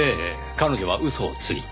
彼女は嘘をついた。